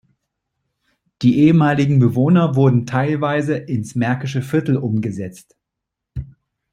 Die ehemaligen Bewohner wurden teilweise ins Märkische Viertel umgesetzt.